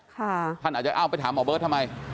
ท่านอาจจะเอ้าไปถามหมอเบิร์ตทำไม